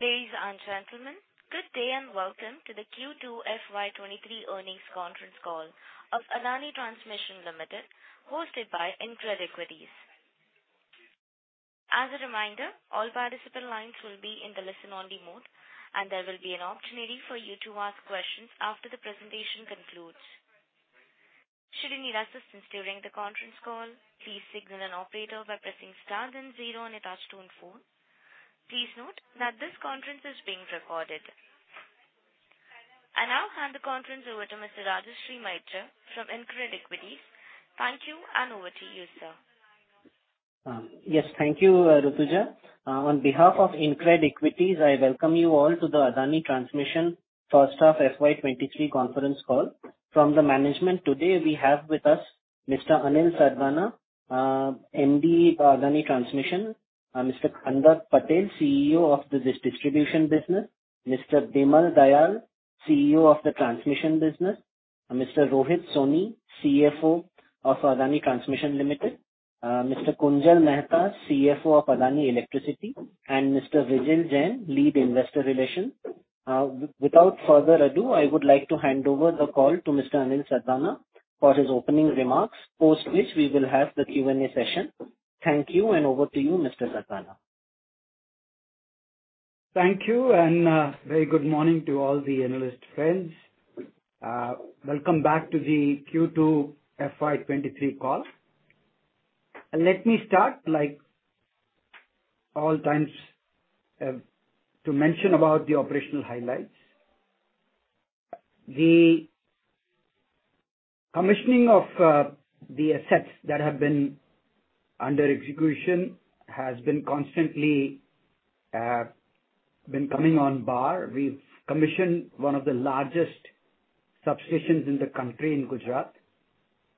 Ladies and gentlemen, good day and welcome to the Q2 FY 2023 earnings conference call of Adani Transmission Limited, hosted by InCred Equities. As a reminder, all participant lines will be in the listen-only mode, and there will be an opportunity for you to ask questions after the presentation concludes. Should you need assistance during the conference call, please signal an operator by pressing star then zero on your touchtone phone. Please note that this conference is being recorded. I now hand the conference over to Mr. Rajarshi Maitra from InCred Equities. Thank you, and over to you, sir. Yes, thank you, Rutuja. On behalf of InCred Equities, I welcome you all to the Adani Transmission first half FY 2023 conference call. From the management today, we have with us Mr. Anil Sardana, MD of Adani Transmission. Mr. Kandarp Patel, CEO of the Distribution business. Mr. Bimal Dayal, CEO of the Transmission Business. Mr. Rohit Soni, CFO of Adani Transmission Limited. Mr. Kunjal Mehta, CFO of Adani Electricity, and Mr. Vijil Jain, Lead Investor Relations. Without further ado, I would like to hand over the call to Mr. Anil Sardana for his opening remarks, post which we will have the Q&A session. Thank you, and over to you, Mr. Sardana. Thank you, and very good morning to all the analyst friends. Welcome back to the Q2 FY 2023 call. Let me start, like all times, to mention about the operational highlights. The commissioning of the assets that have been under execution has been constantly coming on bar. We've commissioned one of the largest substations in the country in Gujarat.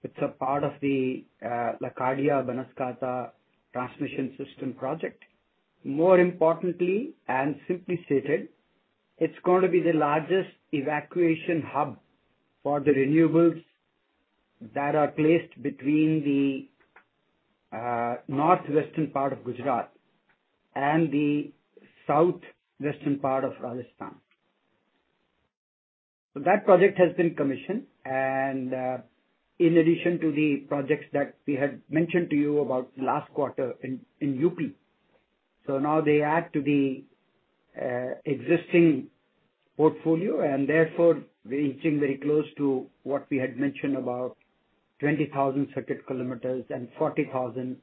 It's a part of the Lakadia-Banaskantha Transmission System project. More importantly, and simply stated, it's going to be the largest evacuation hub for the renewables that are placed between the northwestern part of Gujarat and the southwestern part of Rajasthan. That project has been commissioned and in addition to the projects that we had mentioned to you about last quarter in UP. Now they add to the existing portfolio and therefore reaching very close to what we had mentioned about 20,000 circuit kilometers and 40,000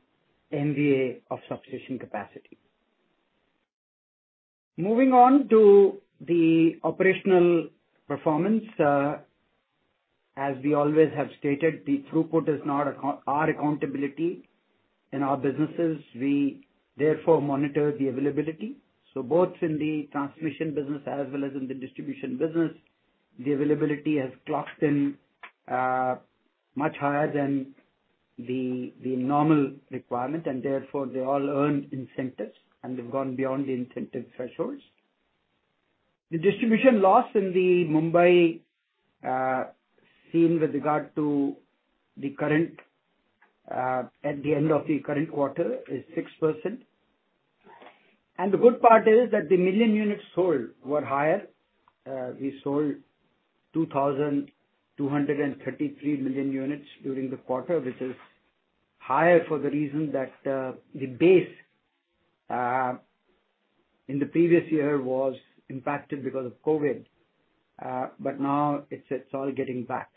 MVA of substation capacity. Moving on to the operational performance. As we always have stated, the throughput is not our accountability in our businesses. We therefore monitor the availability. Both in the transmission business as well as in the distribution business, the availability has clocked in much higher than the normal requirement, and therefore, they all earned incentives, and they've gone beyond the incentive thresholds. The distribution loss in the Mumbai scene with regard to the current at the end of the current quarter is 6%. The good part is that the million units sold were higher. We sold 2,233 million units during the quarter. This is higher for the reason that, the base in the previous year was impacted because of COVID. Now it's all getting back.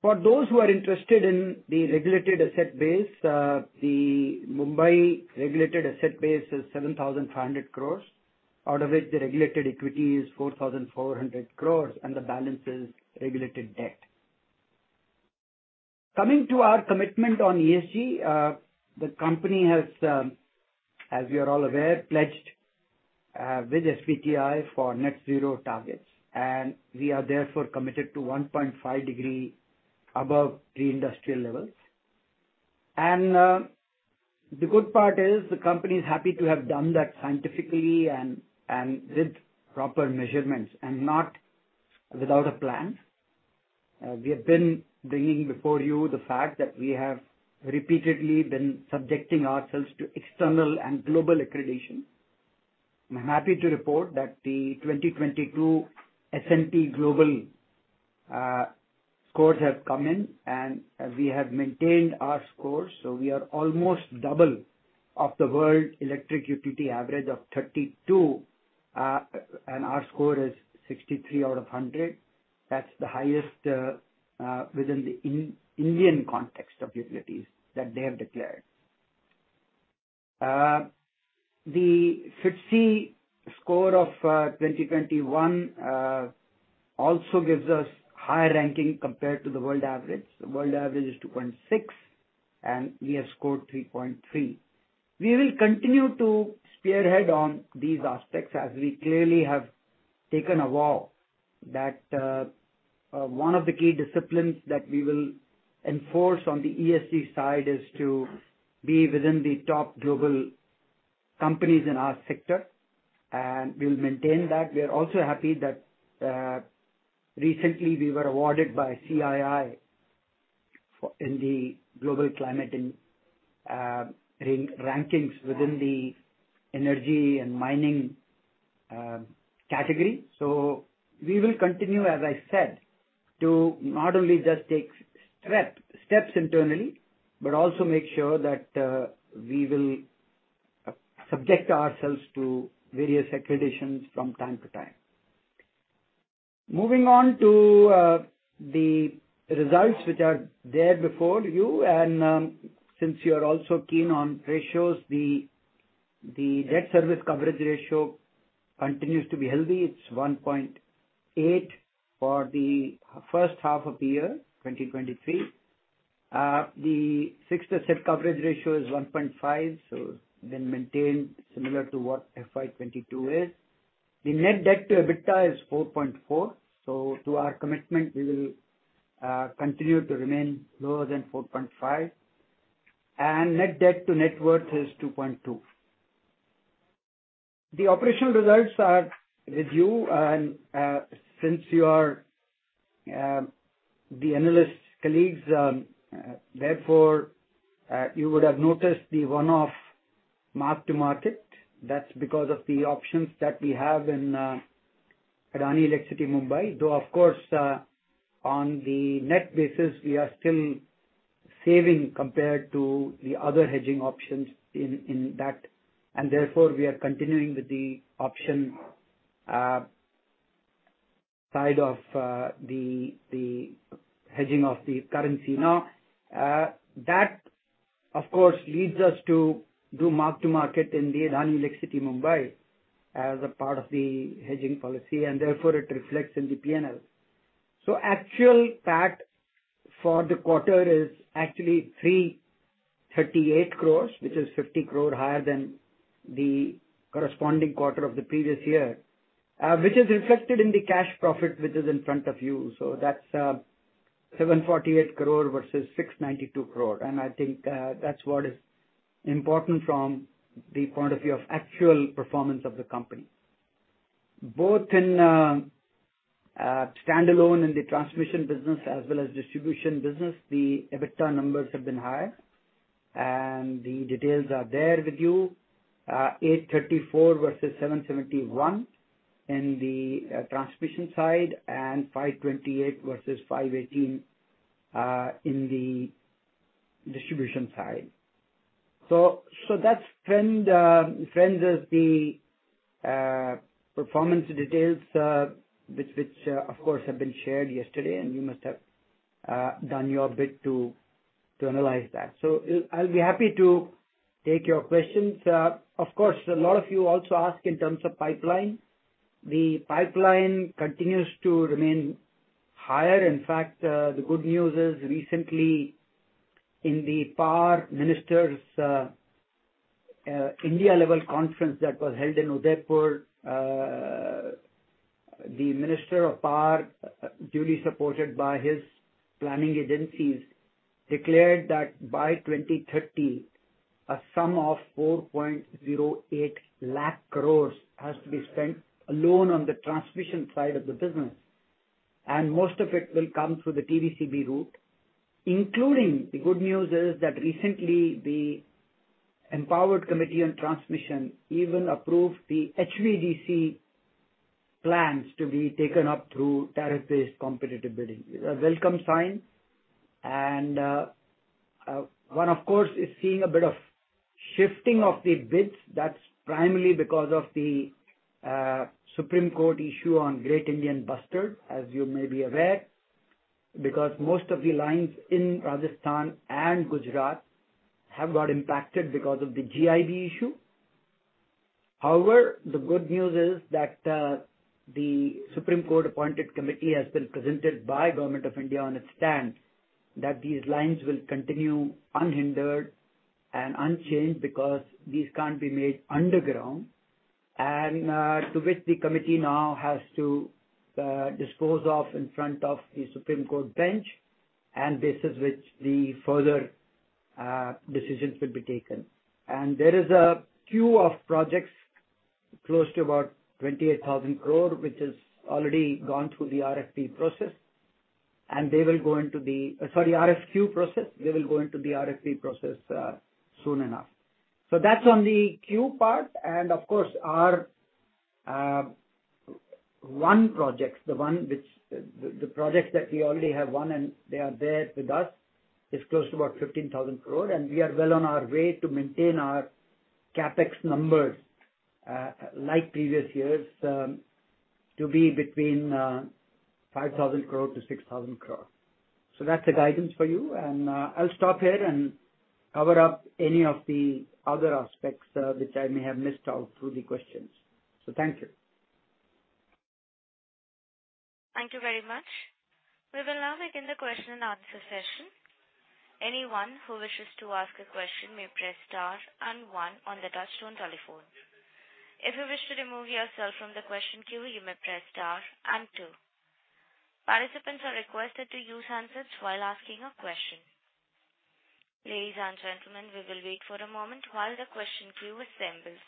For those who are interested in the regulated asset base, the Mumbai regulated asset base is 7,500 crores, out of which the regulated equity is 4,400 crores and the balance is regulated debt. Coming to our commitment on ESG, the company has, as we are all aware, pledged with SBTi for net zero targets, and we are therefore committed to 1.5 degrees above pre-industrial levels. The good part is the company is happy to have done that scientifically and with proper measurements and not without a plan. We have been bringing before you the fact that we have repeatedly been subjecting ourselves to external and global accreditation. I'm happy to report that the 2022 S&P Global scores have come in, and we have maintained our scores. We are almost double of the world electric utility average of 32, and our score is 63 out of 100. That's the highest within the Indian context of utilities that they have declared. The FTSE score of 2021 also gives us high ranking compared to the world average. The world average is 2.6, and we have scored 3.3. We will continue to spearhead on these aspects as we clearly have taken a vow that one of the key disciplines that we will enforce on the ESG side is to be within the top global companies in our sector, and we'll maintain that. We are also happy that recently we were awarded by CII for in the global climate rankings within the energy and mining category. We will continue, as I said, to not only just take steps internally, but also make sure that we will subject ourselves to various accreditations from time to time. Moving on to the results which are there before you and since you are also keen on ratios, the debt service coverage ratio continues to be healthy. It's 1.8 for the first half of the year, 2023. The fixed asset coverage ratio is 1.5, so then maintained similar to what FY 2022 is. The net debt to EBITDA is 4.4. To our commitment, we will continue to remain lower than 4.5. Net debt to net worth is 2.2. The operational results are with you and, since you are the analyst colleagues, therefore you would have noticed the one-off mark-to-market. That's because of the options that we have in our Adani Electricity Mumbai. Though of course, on the net basis, we are still saving compared to the other hedging options in that. Therefore, we are continuing with the option side of the hedging of the currency. Now, that of course leads us to do mark-to-market in the Adani Electricity Mumbai as a part of the hedging policy, and therefore it reflects in the P&L. Actual PAT for the quarter is actually 338 crore, which is 50 crore higher than the corresponding quarter of the previous year, which is reflected in the cash profit, which is in front of you. That's 748 crore versus 692 crore. I think that's what is important from the point of view of actual performance of the company. Both in standalone in the transmission business as well as distribution business, the EBITDA numbers have been higher. The details are there with you. 834 versus 771 in the transmission side and 528 versus 518 in the distribution side. That's the performance details, which of course have been shared yesterday, and you must have done your bit to analyze that. I'll be happy to take your questions. Of course, a lot of you also ask in terms of pipeline. The pipeline continues to remain higher. In fact, the good news is recently in the Power Ministers India-level conference that was held in Udaipur, the Minister of Power, duly supported by his planning agencies, declared that by 2030, a sum of 408,000 crore has to be spent alone on the transmission side of the business, and most of it will come through the TBCB route, including the good news is that recently the Empowered Committee on Transmission even approved the HVDC plans to be taken up through Tariff-Based Competitive Bidding. A welcome sign and one of course is seeing a bit of shifting of the bids. That's primarily because of the Supreme Court issue on Great Indian Bustard, as you may be aware, because most of the lines in Rajasthan and Gujarat have got impacted because of the GIB issue. However, the good news is that the Supreme Court appointed committee has been presented by Government of India on its stance that these lines will continue unhindered and unchanged because these can't be made underground. To which the committee now has to dispose of in front of the Supreme Court bench, and this is which the further decisions will be taken. There is a queue of projects close to about 28,000 crore, which has already gone through the RFP process. They will go into the RFQ process. They will go into the RFP process soon enough. That's on the queue part. Of course our won projects, the projects that we already have won and they are there with us is close to about 15,000 crore, and we are well on our way to maintain our CapEx numbers like previous years to be between 5,000-6,000 crore. That's the guidance for you. I'll stop here and cover up any of the other aspects which I may have missed out through the questions. Thank you. Thank you very much. We will now begin the question and answer session. Anyone who wishes to ask a question may press star and one on the touchtone telephone. If you wish to remove yourself from the question queue, you may press star and two. Participants are requested to use handsets while asking a question. Ladies and gentlemen, we will wait for a moment while the question queue assembles.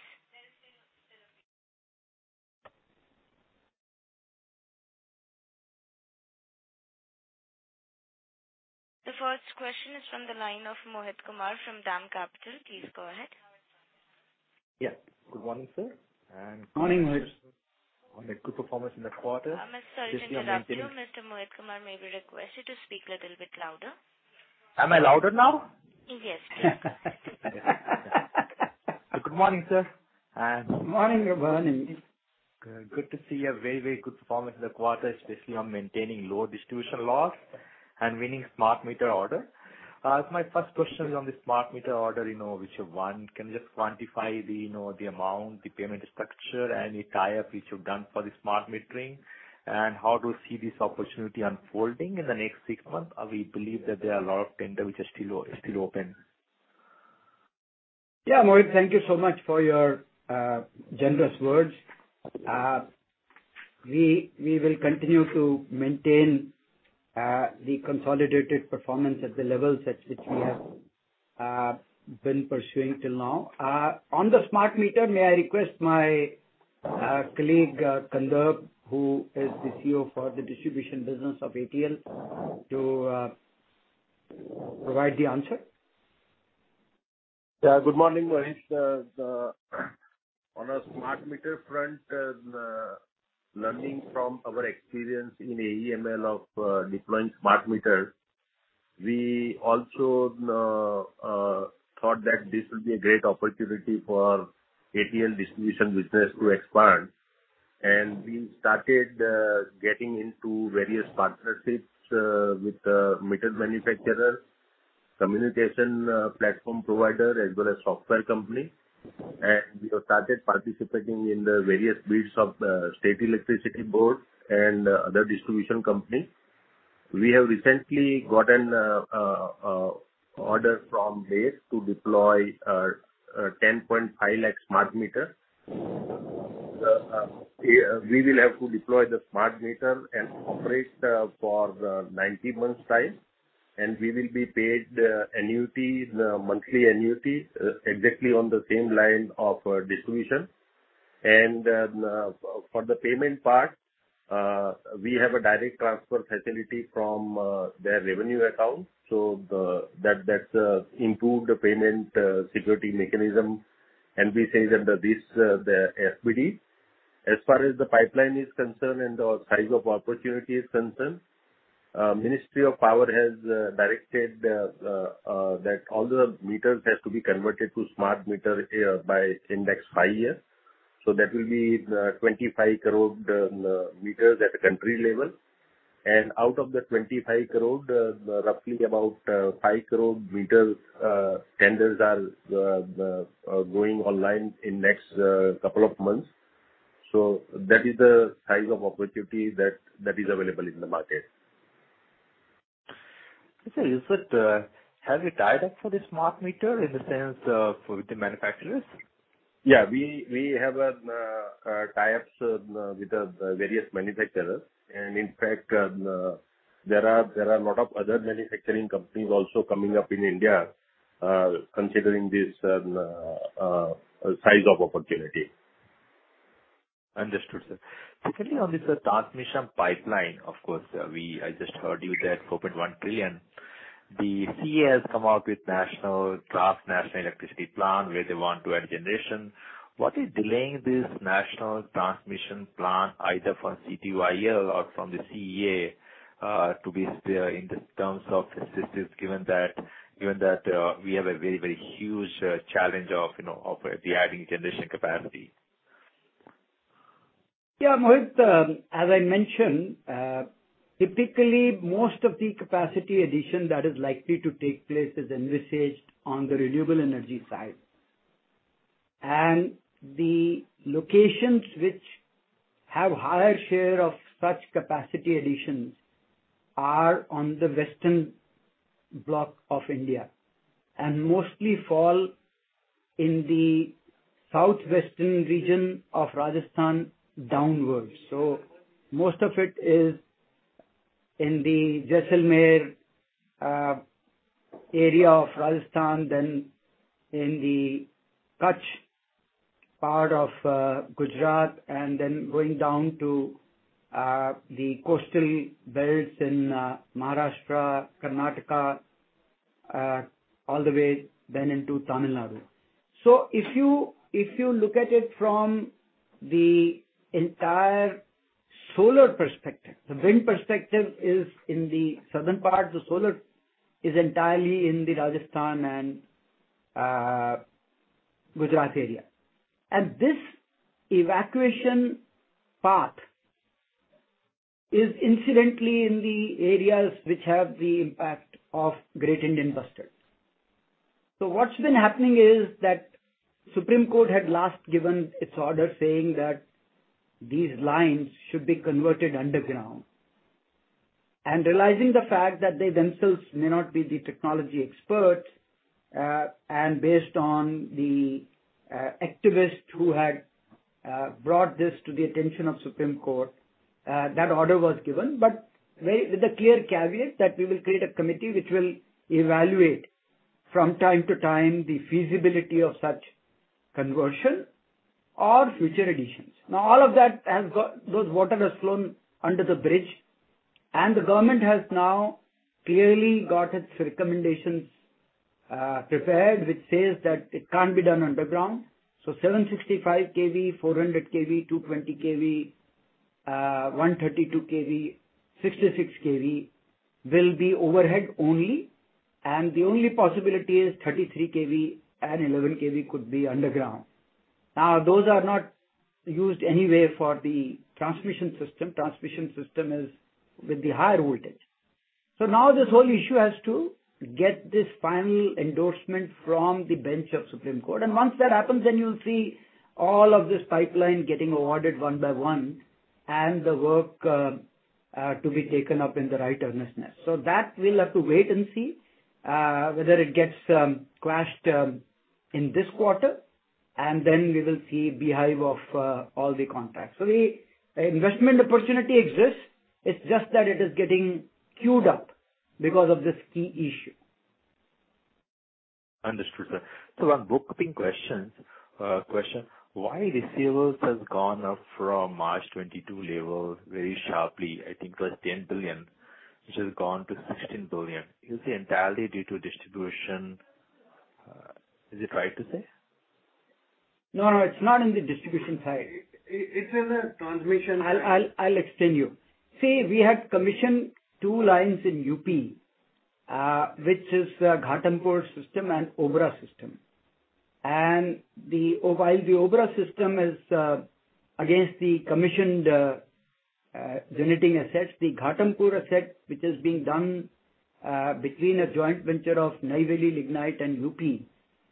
The first question is from the line of Mohit Kumar from DAM Capital. Please go ahead. Yeah. Good morning, sir. Morning, Mohit. On a good performance in that quarter. Mr. Sarvesh, interrupt you. Mr. Mohit Kumar, may we request you to speak a little bit louder. Am I louder now? Yes. Good morning, sir. Morning. Good morning. Good to see a very good performance in the quarter, especially on maintaining low distribution loss and winning smart meter order. My first question is on the smart meter order, you know, which one. Can you just quantify the, you know, the amount, the payment structure and the tie-up which you've done for the smart metering? How to see this opportunity unfolding in the next six months? We believe that there are a lot of tender which are still open. Yeah, Mohit, thank you so much for your generous words. We will continue to maintain the consolidated performance at the levels at which we have been pursuing till now. On the smart meter, may I request my colleague Kandarp, who is the CEO for the distribution business of ATL, to provide the answer. Yeah. Good morning, Mohit. On a smart meter front, learning from our experience in AEML of deploying smart meters, we also thought that this would be a great opportunity for ATL distribution business to expand. We started getting into various partnerships with meter manufacturers, communication platform provider, as well as software company. We have started participating in the various bids of state electricity board and other distribution companies. We have recently gotten order from BEST to deploy 10.5 lakh smart meters. We will have to deploy the smart meter and operate for 90 months time, and we will be paid annuity, the monthly annuity exactly on the same line of distribution. For the payment part, we have a direct transfer facility from their revenue account, so that that's improved the payment security mechanism, and we say that this the SPD. As far as the pipeline is concerned and the size of opportunity is concerned, Ministry of Power has directed that all the meters has to be converted to smart meter by end of FY 2025. That will be 25 crore meters at a country level. Out of the 25 crore, roughly about 5 crore meter tenders are going online in next couple of months. That is the size of opportunity that is available in the market. Okay. Is it, have you tied up for the smart meter in the sense of with the manufacturers? Yeah. We have tie-ups with the various manufacturers. In fact, there are a lot of other manufacturing companies also coming up in India, considering this size of opportunity. Understood, sir. Secondly, on this transmission pipeline, of course, I just heard you that 4.1 trillion. The CEA has come out with the Draft National Electricity Plan, where they want to add generation. What is delaying this national transmission plan, either from CTU or from the CEA, in terms of assistance, given that we have a very huge challenge of adding generation capacity? Yeah, Mohit, as I mentioned, typically, most of the capacity addition that is likely to take place is envisaged on the renewable energy side. The locations which have higher share of such capacity additions are on the western block of India, and mostly fall in the southwestern region of Rajasthan downwards. Most of it is in the Jaisalmer area of Rajasthan, then in the Kutch part of Gujarat, and then going down to the coastal belts in Maharashtra, Karnataka, all the way then into Tamil Nadu. If you look at it from the entire solar perspective, the wind perspective is in the southern part. The solar is entirely in the Rajasthan and Gujarat area. This evacuation path is incidentally in the areas which have the impact of Great Indian Bustard. What's been happening is that Supreme Court had last given its order saying that these lines should be converted underground. Realizing the fact that they themselves may not be the technology expert, and based on the activist who had brought this to the attention of Supreme Court, that order was given, but with a clear caveat that we will create a committee which will evaluate from time to time the feasibility of such conversion or future additions. Now all of that has got. Those waters have flown under the bridge, and the government has now clearly got its recommendations prepared, which says that it can't be done underground. 765 KV, 400 KV, 220 KV, 132 KV, 66 KV will be overhead only, and the only possibility is 33 KV and 11 KV could be underground. Now, those are not used anyway for the transmission system. Transmission system is with the higher voltage. Now this whole issue has to get this final endorsement from the bench of the Supreme Court. Once that happens, then you'll see all of this pipeline getting awarded one by one and the work to be taken up in the right earnestness. That we'll have to wait and see whether it gets cleared in this quarter, and then we will see beehive of all the contracts. The investment opportunity exists. It's just that it is getting queued up because of this key issue. Understood, sir. On bookkeeping questions, why receivables has gone up from March 2022 level very sharply. I think it was 10 billion, which has gone to 16 billion. Is the entirety due to distribution? Is it right to say? No, no, it's not in the distribution side. It's in the transmission side. I'll explain you. See, we had commissioned two lines in UP, which is Ghatampur system and Obra system. While the Obra system is against the commissioned generating assets, the Ghatampur asset, which is being done between a joint venture of Neyveli Lignite and UP,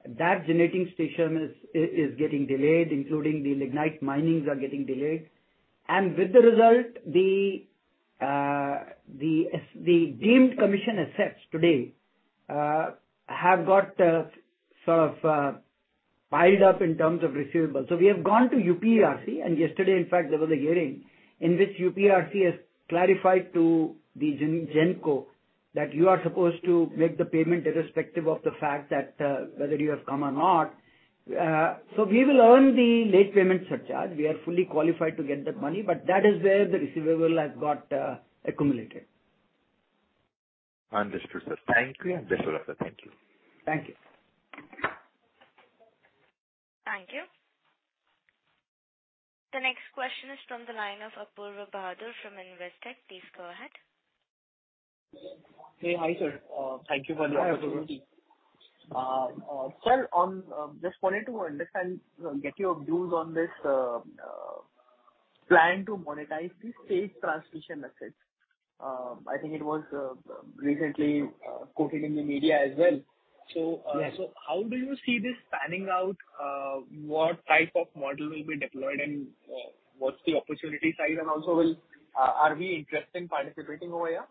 that generating station is getting delayed, including the Lignite minings are getting delayed. With the result, the deemed commissioned assets today have got sort of piled up in terms of receivables. We have gone to UPERC, and yesterday, in fact, there was a hearing in which UPERC has clarified to the Genco that you are supposed to make the payment irrespective of the fact that whether you have come or not. We will earn the late payment surcharge. We are fully qualified to get that money, but that is where the receivable has got, accumulated. Understood, sir. Thank you. Best of luck, sir. Thank you. Thank you. Thank you. The next question is from the line of Apoorva Bahadur from Investec. Please go ahead. Hey. Hi, sir. Thank you for the opportunity. Hi, Apoorva. Sir, just wanted to understand, get your views on this plan to monetize the state transmission assets. I think it was recently quoted in the media as well. Yes. How do you see this panning out? What type of model will be deployed and, what's the opportunity side? Also, are we interested in participating over here?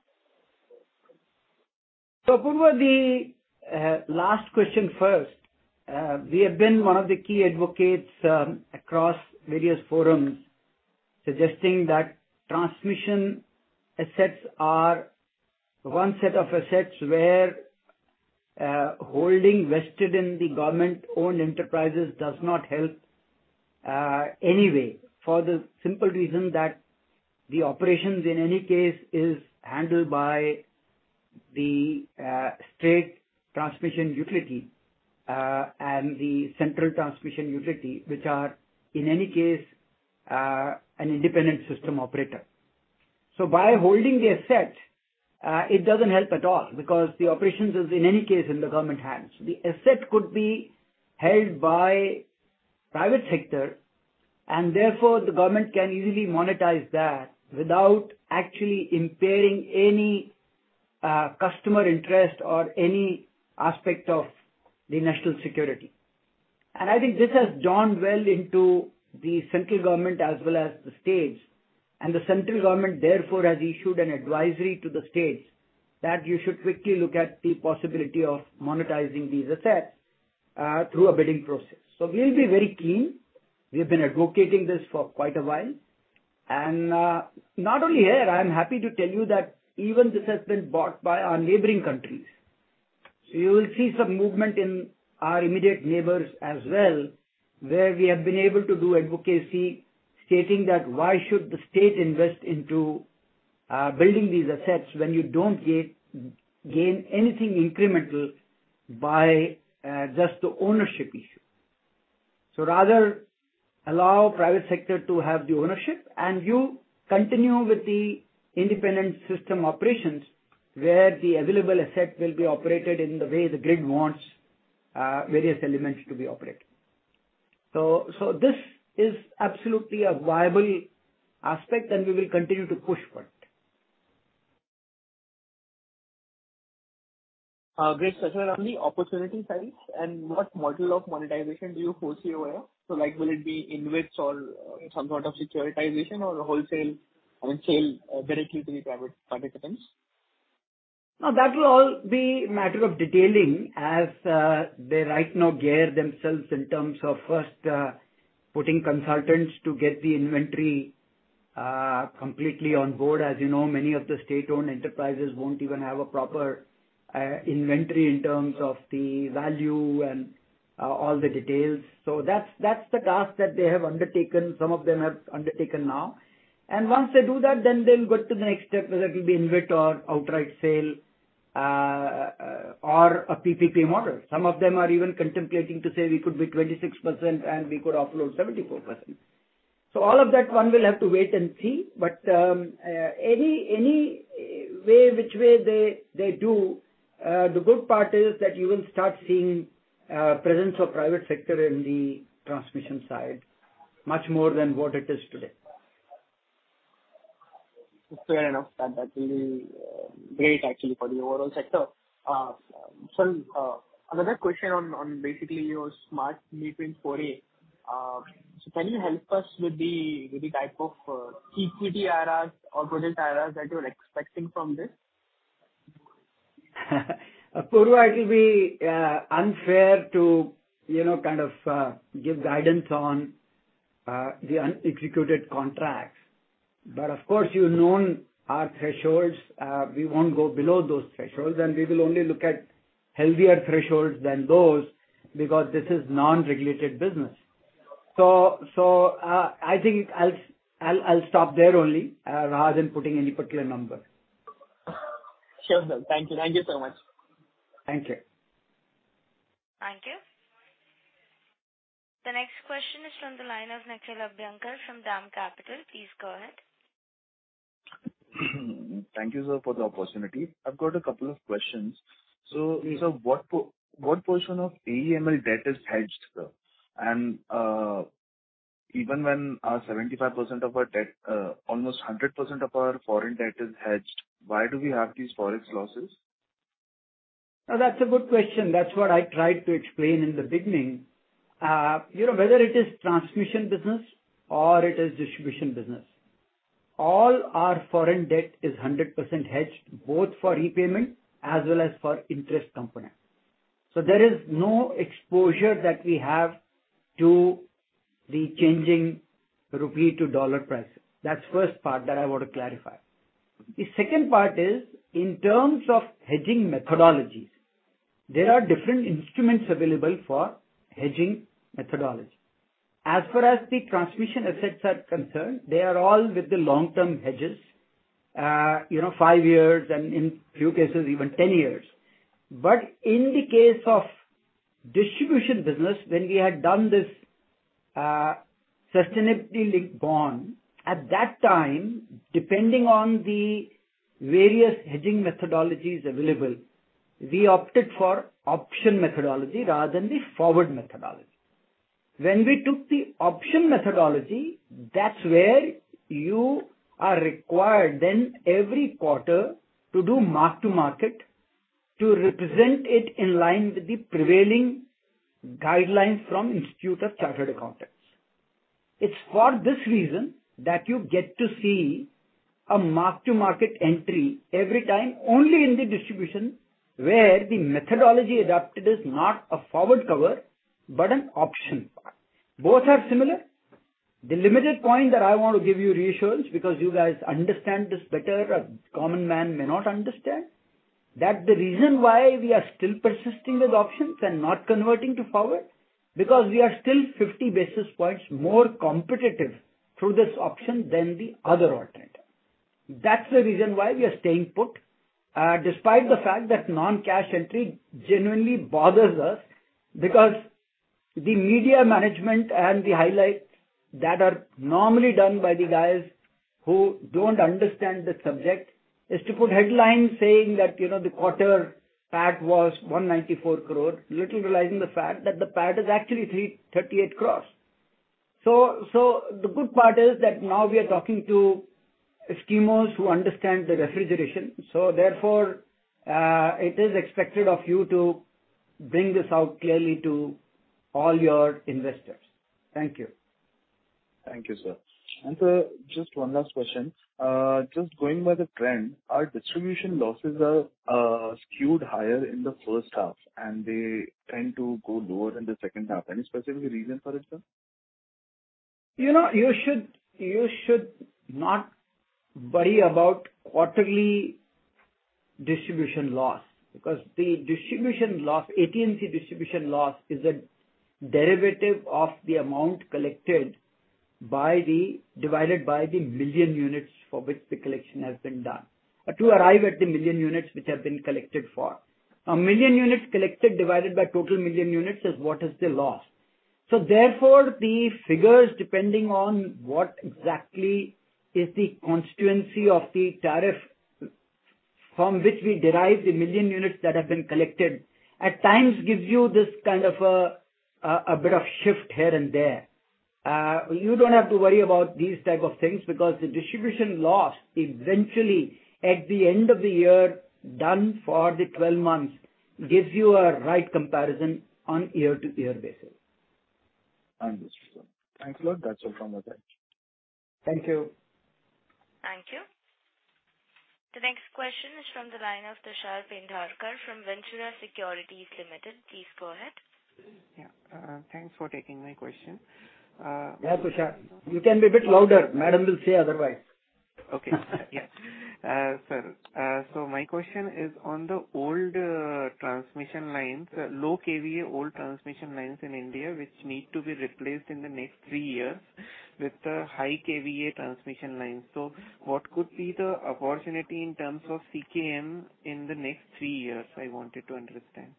Apoorva, the last question first. We have been one of the key advocates across various forums suggesting that transmission assets are one set of assets where holding vested in the government-owned enterprises does not help anyway. For the simple reason that the operations in any case is handled by the state transmission utility and the Central Transmission Utility, which are in any case an independent system operator. By holding the asset, it doesn't help at all because the operations is in any case in the government hands. The asset could be held by private sector, and therefore the government can easily monetize that without actually impairing any customer interest or any aspect of the national security. I think this has dawned well into the central government as well as the states. The central government therefore has issued an advisory to the states that you should quickly look at the possibility of monetizing these assets through a bidding process. We'll be very keen. We've been advocating this for quite a while. Not only here, I'm happy to tell you that even this has been bought by our neighboring countries. You will see some movement in our immediate neighbors as well, where we have been able to do advocacy stating that why should the state invest into building these assets when you don't gain anything incremental by just the ownership issue. Rather allow private sector to have the ownership and you continue with the independent system operations where the available asset will be operated in the way the grid wants various elements to be operated. This is absolutely a viable aspect and we will continue to push for it. Great, sir. Around the opportunity size and what model of monetization do you foresee over here? Like will it be InvITs or some sort of securitization or wholesale, I mean, sale directly to the private participants? No, that will all be matter of detailing as they right now gear themselves in terms of first putting consultants to get the inventory completely on board. As you know, many of the state-owned enterprises won't even have a proper inventory in terms of the value and all the details. That's the task that they have undertaken, some of them have undertaken now. Once they do that, then they'll go to the next step, whether it will be InvIT or outright sale or a PPP model. Some of them are even contemplating to say we could be 26% and we could offload 74%. So all of that one will have to wait and see. The good part is that you will start seeing presence of private sector in the transmission side much more than what it is today. Fair enough. That will be great actually for the overall sector. Another question on basically your smart metering story. Can you help us with the type of pre-tax IRRs or project IRRs that you're expecting from this? Apoorva, it will be unfair to, you know, kind of give guidance on the unexecuted contracts. Of course, you've known our thresholds. We won't go below those thresholds, and we will only look at healthier thresholds than those because this is non-regulated business. I think I'll stop there only, rather than putting any particular number. Sure, sir. Thank you. Thank you so much. Thank you. Thank you. The next question is from the line of Nikhil Abhyankar from DAM Capital. Please go ahead. Thank you, sir, for the opportunity. I've got a couple of questions. Mm-hmm. What portion of AEML debt is hedged, sir? Even when 75% of our debt, almost 100% of our foreign debt is hedged, why do we have these Forex losses? Now that's a good question. That's what I tried to explain in the beginning. You know, whether it is transmission business or it is distribution business, all our foreign debt is 100% hedged, both for repayment as well as for interest component. So there is no exposure that we have to the changing rupee to dollar price. That's first part that I want to clarify. The second part is in terms of hedging methodologies. There are different instruments available for hedging methodology. As far as the transmission assets are concerned, they are all with the long-term hedges, you know, five years and in few cases, even 10 years. But in the case of distribution business, when we had done this, sustainability-linked bond, at that time, depending on the various hedging methodologies available, we opted for option methodology rather than the forward methodology. When we took the option methodology, that's where you are required, then every quarter, to do mark-to-market to represent it in line with the prevailing guidelines from Institute of Chartered Accountants. It's for this reason that you get to see a mark-to-market entry every time only in the distribution where the methodology adopted is not a forward cover but an option. Both are similar. The limited point that I want to give you reassurance, because you guys understand this better, a common man may not understand, that the reason why we are still persisting with options and not converting to forward, because we are still 50 basis points more competitive through this option than the other alternate. That's the reason why we are staying put, despite the fact that non-cash entry genuinely bothers us because the media management and the highlights that are normally done by the guys who don't understand the subject is to put headlines saying that, you know, the quarter PAT was 194 crore, little realizing the fact that the PAT is actually 338 crores. So the good part is that now we are talking to Eskimos who understand the refrigeration. Therefore, it is expected of you to bring this out clearly to all your investors. Thank you. Thank you, sir. Sir, just one last question. Just going by the trend, our distribution losses are skewed higher in the first half, and they tend to go lower in the second half. Any specific reason for it, sir? You know, you should not worry about quarterly distribution loss because the distribution loss, AT&C distribution loss is a derivative of the amount collected by the, divided by the million units for which the collection has been done. To arrive at the million units which have been collected for. A million units collected divided by total million units is what is the loss. Therefore, the figures depending on what exactly is the constituents of the tariff from which we derive the million units that have been collected, at times gives you this kind of a bit of shift here and there. You don't have to worry about these type of things because the distribution loss eventually at the end of the year, done for the 12 months, gives you a right comparison on year-to-year basis. Understood, sir. Thanks a lot. That's all from our side. Thank you. Thank you. The next question is from the line of Tushar Pendharkar from Ventura Securities Limited. Please go ahead. Yeah. Thanks for taking my question. Yeah, Tushar. You can be a bit louder. Madam will say otherwise. Sir, my question is on the old transmission lines, low KVA old transmission lines in India, which need to be replaced in the next three years with the high KVA transmission lines. What could be the opportunity in terms of CKM in the next three years? I wanted to understand.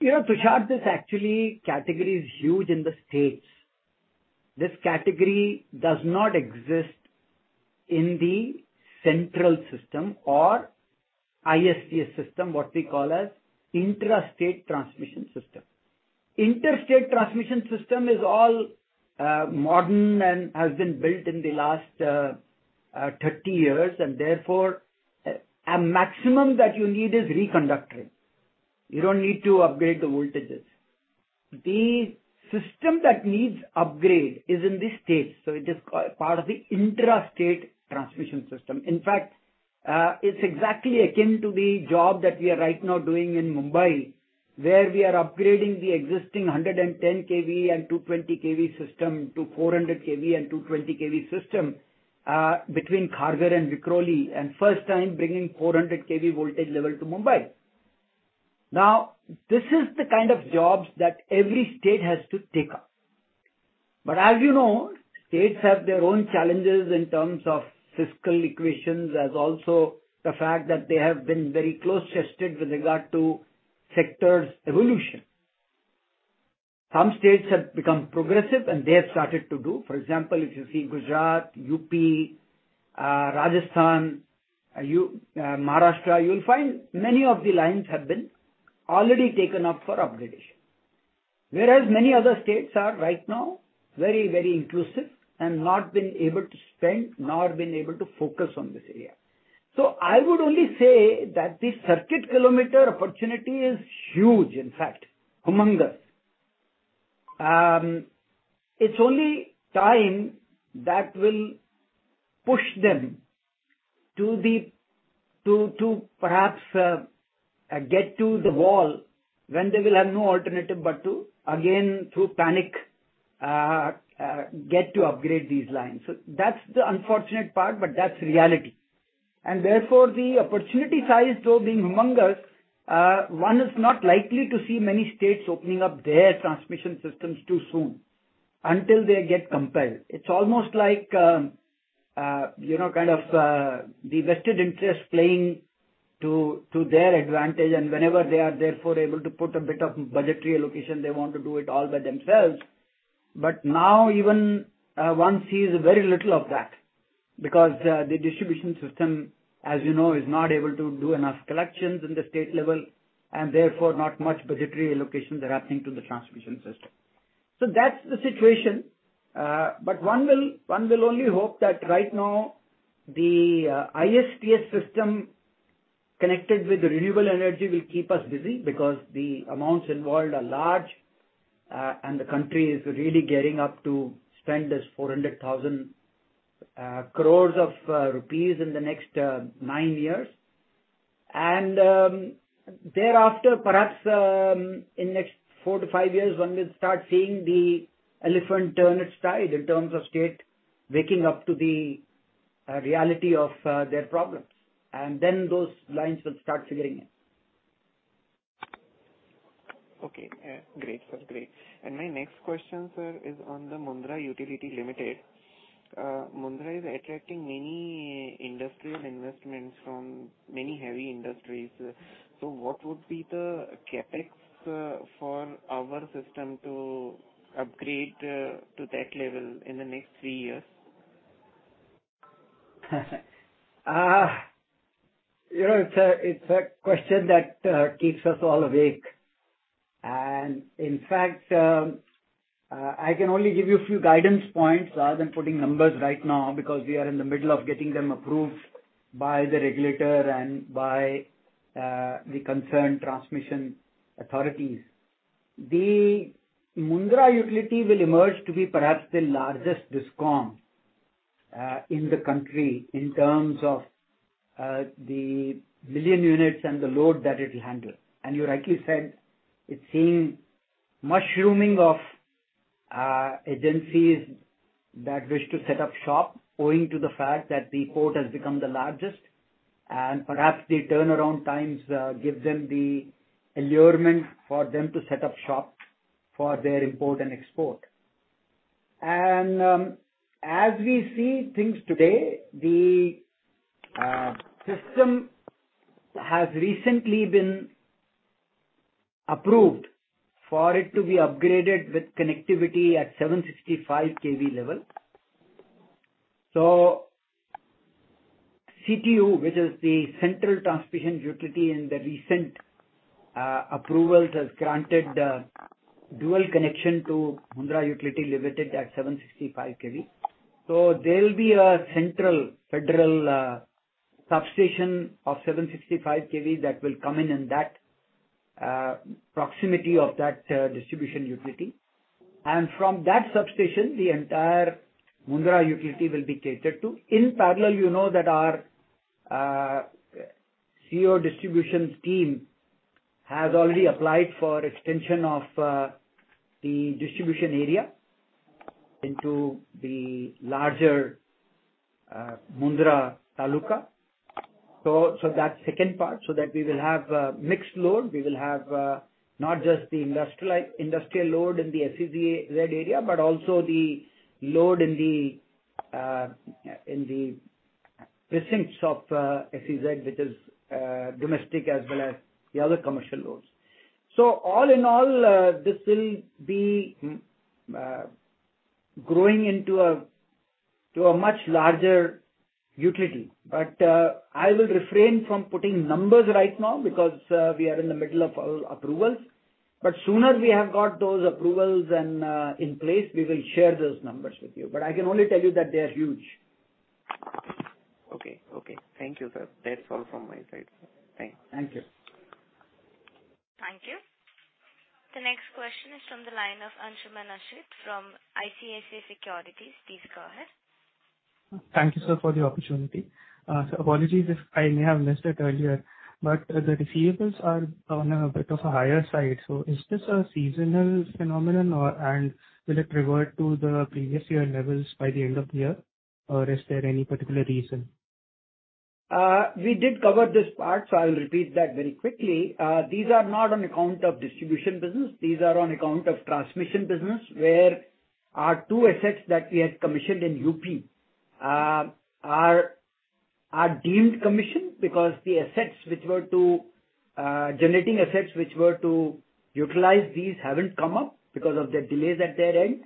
You know, Tushar, this actually category is huge in the states. This category does not exist in the central system or ISTS system, what we call as intrastate transmission system. Interstate transmission system is all modern and has been built in the last 30 years, and therefore, a maximum that you need is reconductoring. You don't need to upgrade the voltages. The system that needs upgrade is in the states, so it is part of the intrastate transmission system. In fact, it's exactly akin to the job that we are right now doing in Mumbai, where we are upgrading the existing 110 KV and 220 KV system to 400 KV and 220 KV system between Kharghar and Vikhroli, and first time bringing 400 KV voltage level to Mumbai. Now, this is the kind of jobs that every state has to take up. As you know, states have their own challenges in terms of fiscal equations, as also the fact that they have been very close-fisted with regard to sector's evolution. Some states have become progressive, and they have started to do. For example, if you see Gujarat, UP, Rajasthan, Maharashtra, you'll find many of the lines have been already taken up for upgradation. Whereas many other states are right now very, very reclusive and not been able to spend nor been able to focus on this area. I would only say that the circuit kilometer opportunity is huge, in fact, humongous. It's only time that will push them to the wall when they will have no alternative but to, again, through panic, get to upgrade these lines. That's the unfortunate part, but that's reality. Therefore, the opportunity size though being humongous, one is not likely to see many states opening up their transmission systems too soon until they get compelled. It's almost like, you know, kind of, the vested interest playing to their advantage. Whenever they are therefore able to put a bit of budgetary allocation, they want to do it all by themselves. Now even one sees very little of that because the distribution system, as you know, is not able to do enough collections in the state level, and therefore not much budgetary allocations are happening to the transmission system. That's the situation. One will only hope that right now the ISTS system connected with renewable energy will keep us busy because the amounts involved are large, and the country is really gearing up to spend 400,000 crore rupees in the next nine years. Thereafter, perhaps, in next 4-5 years, one will start seeing the elephant turn its tide in terms of state waking up to the reality of their problems. Those lines will start figuring in. Okay. Great, sir. Great. My next question, sir, is on the Mundra Utility Limited. Mundra is attracting many industrial investments from many heavy industries. What would be the CapEx for our system to upgrade to that level in the next three years? You know, it's a question that keeps us all awake. In fact, I can only give you a few guidance points rather than putting numbers right now because we are in the middle of getting them approved by the regulator and by the concerned transmission authorities. The Mundra Utility will emerge to be perhaps the largest DISCOM in the country in terms of the million units and the load that it'll handle. You rightly said, it's seeing mushrooming of agencies that wish to set up shop owing to the fact that the port has become the largest, and perhaps the turnaround times give them the allurement for them to set up shop for their import and export. As we see things today, the system has recently been approved for it to be upgraded with connectivity at 765 KV level. CTU, which is the Central Transmission Utility in the recent approvals, has granted dual connection to Mundra Utility Limited at 765 KV. There'll be a central feeder substation of 765 KV that will come in proximity of that distribution utility. From that substation, the entire Mundra utility will be catered to. In parallel, you know that our distribution team has already applied for extension of the distribution area into the larger Mundra Taluka. That's the second part, so that we will have mixed load. We will have not just the industrial load in the SEZ area, but also the load in the precincts of SEZ, which is domestic as well as the other commercial loads. All in all, this will be growing into a much larger utility. I will refrain from putting numbers right now because we are in the middle of our approvals. Sooner we have got those approvals and in place, we will share those numbers with you. I can only tell you that they are huge. Okay. Thank you, sir. That's all from my side, sir. Thanks. Thank you. Thank you. The next question is from the line of Anshuman Ashit from ICICI Securities. Please go ahead. Thank you, sir, for the opportunity. Apologies if I may have missed it earlier, but the receivables are on a bit of a higher side. Is this a seasonal phenomenon, and will it revert to the previous year levels by the end of the year? Is there any particular reason? We did cover this part, so I will repeat that very quickly. These are not on account of distribution business. These are on account of transmission business, where our two assets that we had commissioned in UP are deemed commissioned because the generating assets which were to utilize these haven't come up because of the delays at their end.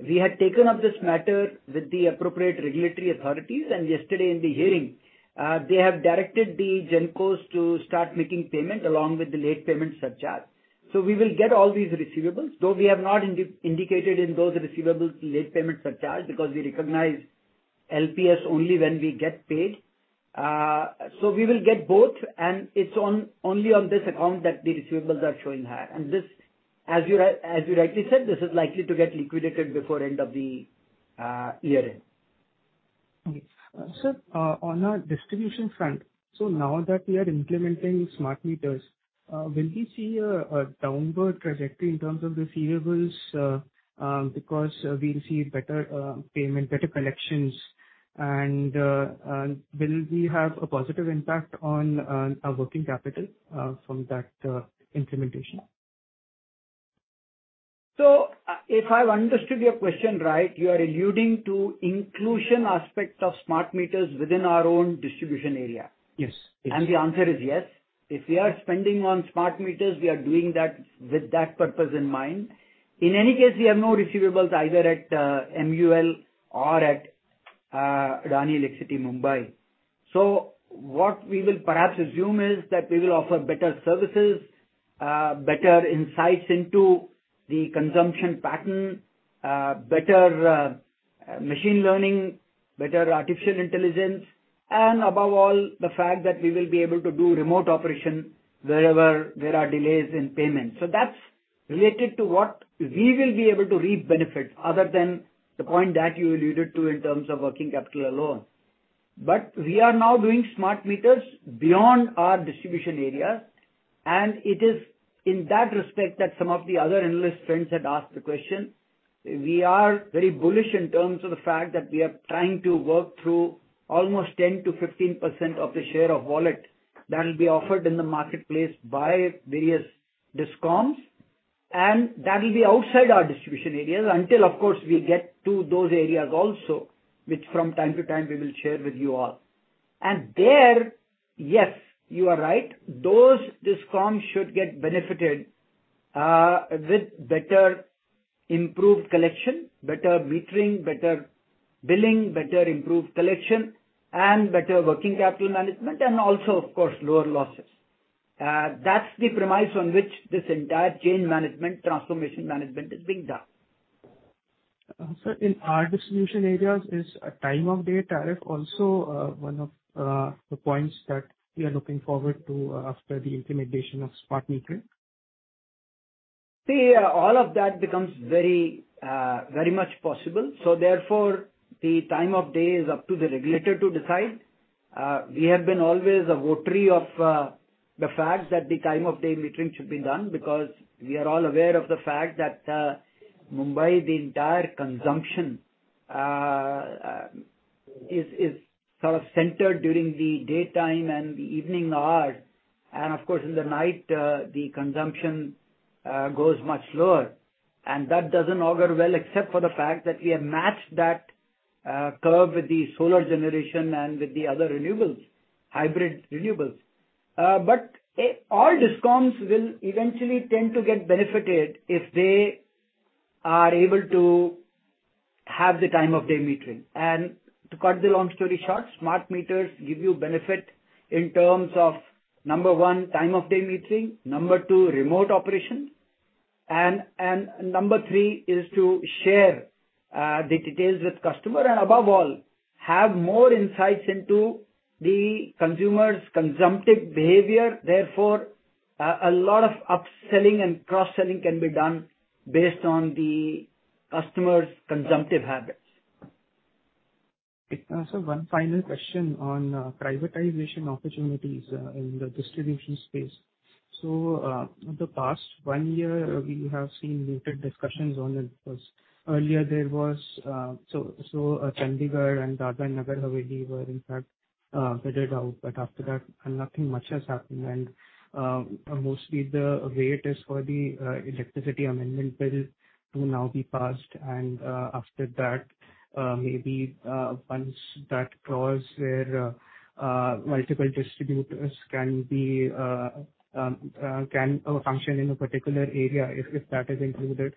We had taken up this matter with the appropriate regulatory authorities, and yesterday in the hearing, they have directed the GenCos to start making payment along with the late payment surcharge. We will get all these receivables, though we have not indicated in those receivables the late payment surcharge because we recognize LPS only when we get paid. We will get both, and it's only on this account that the receivables are showing high. This, as you rightly said, this is likely to get liquidated before end of the year end. Sir, on our distribution front, now that we are implementing smart meters, will we see a downward trajectory in terms of receivables, because we'll see better payment, better collections? Will we have a positive impact on our working capital from that implementation? If I've understood your question right, you are alluding to inclusion aspects of smart meters within our own distribution area. Yes, yes. The answer is yes. If we are spending on smart meters, we are doing that with that purpose in mind. In any case, we have no receivables either at MUL or at Adani Electricity Mumbai. What we will perhaps assume is that we will offer better services, better insights into the consumption pattern, better machine learning, better artificial intelligence, and above all, the fact that we will be able to do remote operation wherever there are delays in payments. That's related to what we will be able to reap benefits other than the point that you alluded to in terms of working capital alone. We are now doing smart meters beyond our distribution area, and it is in that respect that some of the other analyst friends had asked the question. We are very bullish in terms of the fact that we are trying to work through almost 10%-15% of the share of wallet that will be offered in the marketplace by various DISCOMs, and that'll be outside our distribution areas until of course we get to those areas also, which from time to time we will share with you all. There, yes, you are right. Those DISCOMs should get benefited with better improved collection, better metering, better billing, better improved collection and better working capital management and also of course lower losses. That's the premise on which this entire chain management, transformation management is being done. Sir, in our distribution areas is a time of day tariff also one of the points that we are looking forward to after the implementation of smart metering? See, all of that becomes very, very much possible. Therefore the time of day is up to the regulator to decide. We have been always a votary of the fact that the time of day metering should be done because we are all aware of the fact that Mumbai, the entire consumption is sort of centered during the daytime and the evening hours. Of course, in the night, the consumption goes much lower. That doesn't augur well except for the fact that we have matched that curve with the solar generation and with the other renewables, hybrid renewables. But all DISCOMs will eventually tend to get benefited if they are able to have the time of day metering. To cut the long story short, smart meters give you benefit in terms of, number one, time of day metering, number two, remote operation, and number three is to share the details with customer and above all, have more insights into the consumer's consumptive behavior. Therefore, a lot of upselling and cross-selling can be done based on the customer's consumptive habits. Sir, one final question on privatization opportunities in the distribution space. The past one year we have seen muted discussions on it. Earlier there was Chandigarh and Dadra and Nagar Haveli were in fact vetted out, but after that nothing much has happened. Mostly the wait is for the Electricity (Amendment) Bill to now be passed and after that maybe once that clause where multiple distributors can function in a particular area if that is included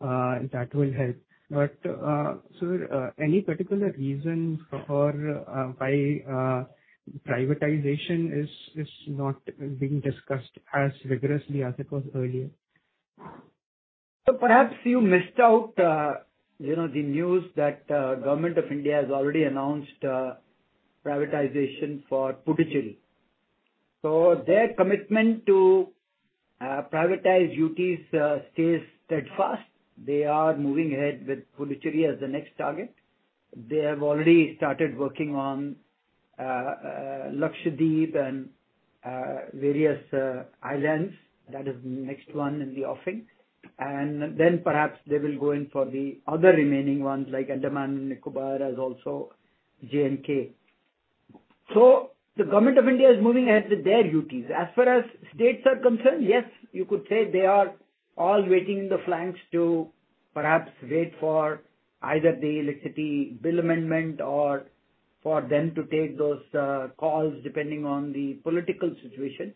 that will help. Sir, any particular reason for why privatization is not being discussed as vigorously as it was earlier? Perhaps you missed out, you know, the news that Government of India has already announced privatization for Puducherry. Their commitment to privatize UTs stays steadfast. They are moving ahead with Puducherry as the next target. They have already started working on Lakshadweep and various islands. That is next one in the offing. Then perhaps they will go in for the other remaining ones like Andaman and Nicobar as also J&K. The Government of India is moving ahead with their UTs. As far as states are concerned, yes, you could say they are all waiting in the flanks to perhaps wait for either the Electricity Bill amendment or for them to take those calls depending on the political situation.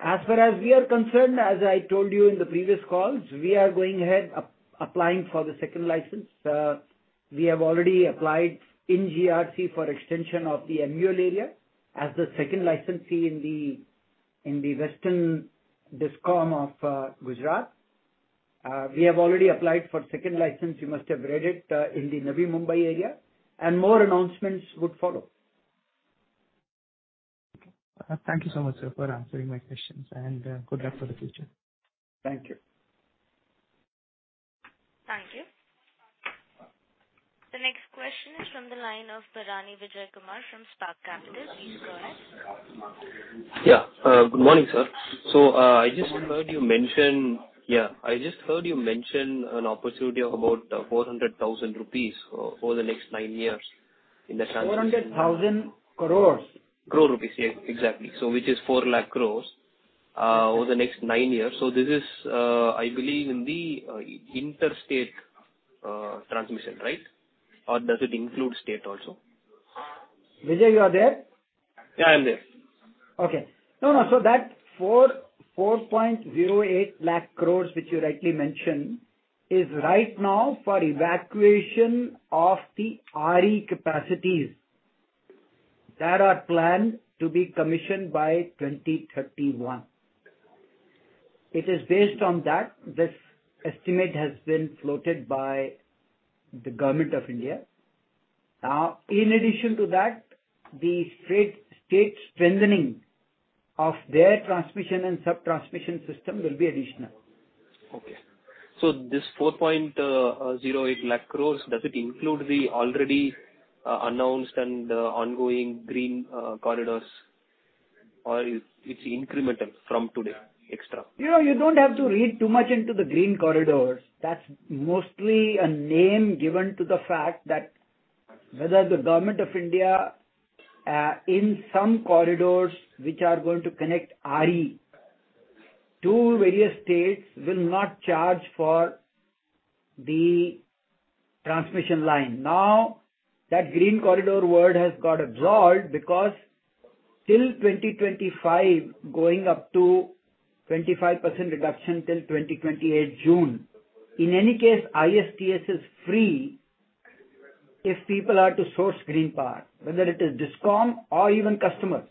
As far as we are concerned, as I told you in the previous calls, we are going ahead applying for the second license. We have already applied in GERC for extension of the Amul area as the second licensee in the western DISCOM of Gujarat. We have already applied for second license, you must have read it, in the Navi Mumbai area, and more announcements would follow. Thank you so much, sir, for answering my questions and good luck for the future. Thank you. Thank you. The next question is from the line of Bharani Vijayakumar from Spark Capital. Please go ahead. Good morning, sir. I just heard you mention an opportunity of about 400,000 rupees over the next nine years in the transmission- 400,000 crore. crore rupees. Yeah, exactly. Which is 4 lakh crore over the next nine years. This is, I believe, in the inter-state transmission, right? Or does it include state also? Vijil, you are there? Yeah, I'm there. Okay. No, no. That 4.08 lakh crores, which you rightly mentioned, is right now for evacuation of the RE capacities that are planned to be commissioned by 2031. It is based on that. This estimate has been floated by the Government of India. Now, in addition to that, the inter-state strengthening of their transmission and sub-transmission system will be additional. Okay. This 4.08 lakh crores, does it include the already announced and ongoing green corridors, or it's incremental from today, extra? You know, you don't have to read too much into the green corridors. That's mostly a name given to the fact that whether the Government of India, in some corridors which are going to connect RE to various states, will not charge for the transmission line. Now, that green corridor word has got absorbed because till 2025, going up to 25% reduction till 2028 June, in any case, ISTS is free if people are to source green power, whether it is DISCOM or even customers.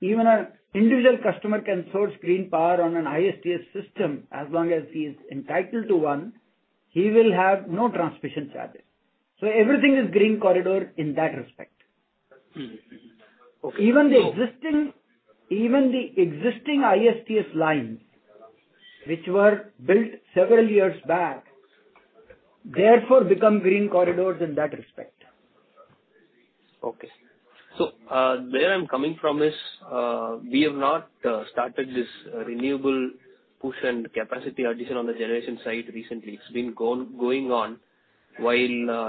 Even a individual customer can source green power on an ISTS system as long as he's entitled to one, he will have no transmission charges. Everything is green corridor in that respect. Okay. Even the existing ISTS lines, which were built several years back, therefore become green corridors in that respect. Okay, where I'm coming from is we have not started this renewable push and capacity addition on the generation side recently. It's been going on. While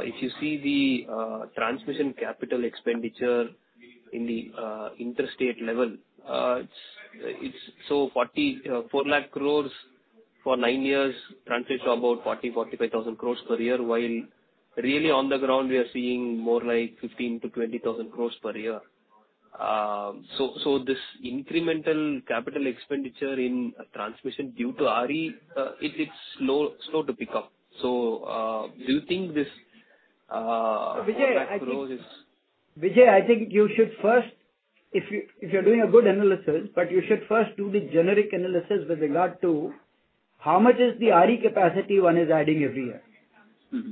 if you see the transmission capital expenditure in the interstate level, it's 44 lakh crore for nine years translates to about 40,000-45,000 crore per year, while really on the ground we are seeing more like 15,000-20,000 crore per year. This incremental capital expenditure in transmission due to RE, it's slow to pick up. Do you think this. Vijay, I think you should first, if you're doing a good analysis, but you should first do the generic analysis with regard to how much is the RE capacity one is adding every year. Mm-hmm.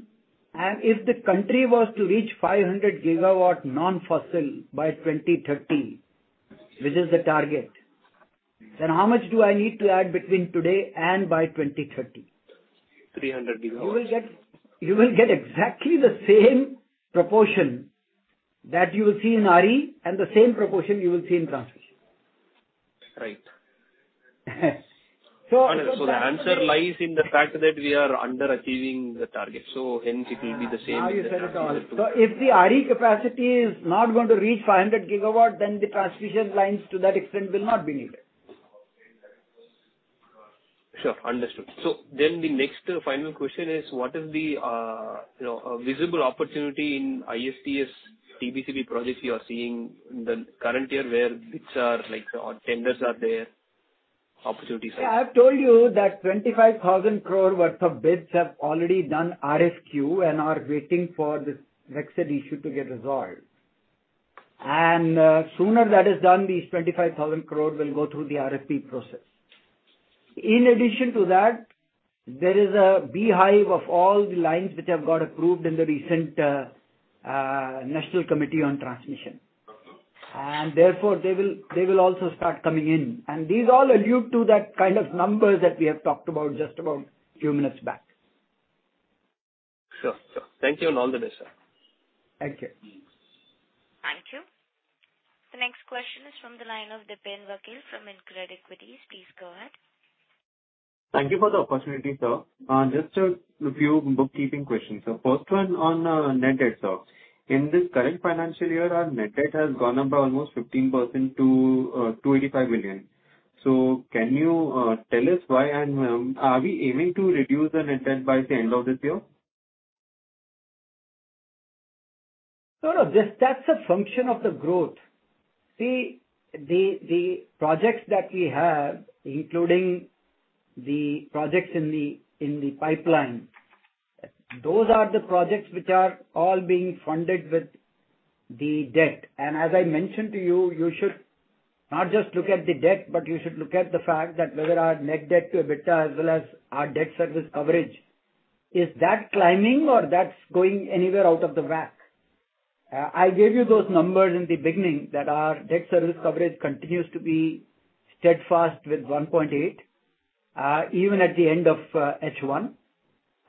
If the country was to reach 500 GW non-fossil by 2030, which is the target, then how much do I need to add between today and by 2030? 300 GW. You will get exactly the same proportion that you will see in RE and the same proportion you will see in transmission. Right. So- The answer lies in the fact that we are underachieving the target, so hence it will be the same. Now you said it all. If the RE capacity is not going to reach 500 GW, then the transmission lines to that extent will not be needed. Sure. Understood. The next final question is what is the, you know, visible opportunity in ISTS TBCB projects you are seeing in the current year where bids are like or tenders are there, opportunities are there? I have told you that 25,000 crore worth of bids have already done RFQ and are waiting for this vexed issue to get resolved. Sooner that is done, these 25,000 crore will go through the RFP process. In addition to that, there is a bevy of all the lines which have got approved in the recent National Committee on Transmission. Therefore they will also start coming in. These allude to that kind of numbers that we have talked about just a few minutes back. Sure. Sure. Thank you and all the best, sir. Thank you. Thank you. The next question is from the line of Dipen Vakil from InCred Equities. Please go ahead. Thank you for the opportunity, sir. Just a few bookkeeping questions. First one on net debt, sir. In this current financial year, our net debt has gone up by almost 15% to 285 million. Can you tell us why? And are we aiming to reduce the net debt by the end of this year? No, no, that's a function of the growth. See, the projects that we have, including the projects in the pipeline, those are the projects which are all being funded with the debt. As I mentioned to you should not just look at the debt, but you should look at the fact that whether our net debt to EBITDA as well as our debt service coverage is that climbing or that's going anywhere out of whack. I gave you those numbers in the beginning that our debt service coverage continues to be steadfast with 1.8, even at the end of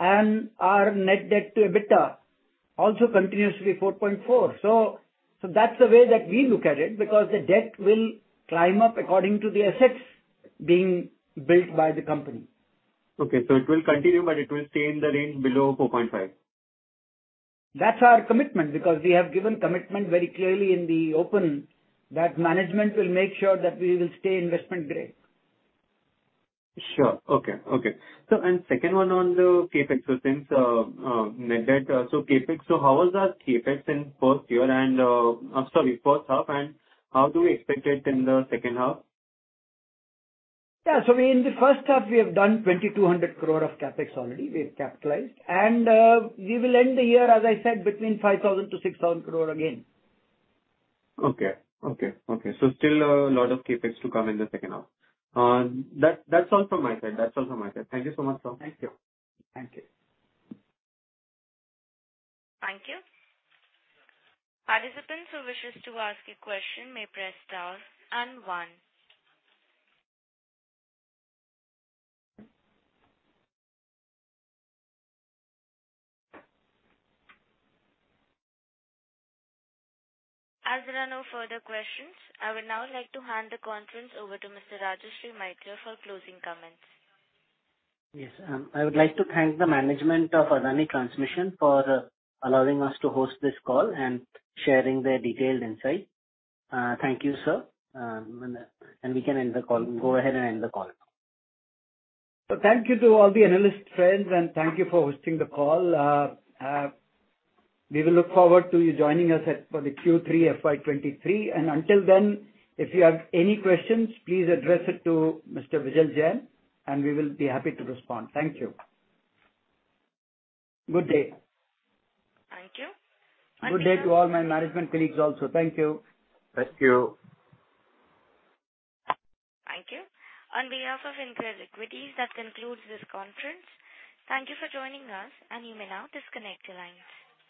H1. Our net debt to EBITDA also continues to be 4.4. So that's the way that we look at it, because the debt will climb up according to the assets being built by the company. Okay. It will continue, but it will stay in the range below 4.5. That's our commitment, because we have given commitment very clearly in the open that management will make sure that we will stay investment grade. Sure. Okay. Second one on the CapEx. Since net debt, CapEx, how was our CapEx in first year and, I'm sorry, first half, and how do we expect it in the second half? In the first half we have done 2,200 crore of CapEx already, we've capitalized. We will end the year, as I said, between 5,000- 6,000 crore again. Okay. Still a lot of CapEx to come in the second half. That's all from my side. Thank you so much, sir. Thank you. Thank you. Thank you. Participants who wishes to ask a question may press star and one. As there are no further questions, I would now like to hand the conference over to Mr. Rajshree Maitra for closing comments. Yes. I would like to thank the management of Adani Transmission for allowing us to host this call and sharing their detailed insight. Thank you, sir. We can end the call. Go ahead and end the call. Thank you to all the analyst friends and thank you for hosting the call. We will look forward to you joining us at, for the Q3 FY 2023. Until then, if you have any questions, please address it to Mr. Vijil Jain, and we will be happy to respond. Thank you. Good day. Thank you. Good day to all my management colleagues also. Thank you. Thank you. Thank you. On behalf of InCred Equities, that concludes this conference. Thank you for joining us, and you may now disconnect your lines.